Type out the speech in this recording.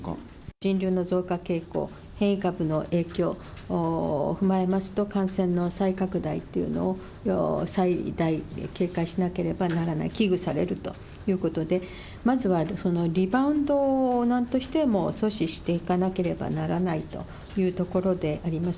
人流の増加傾向、変異株の影響を踏まえますと、感染の再拡大というのを最大警戒しなければならない、危惧されるということで、まずはリバウンドをなんとしても阻止していかなければならないというところであります。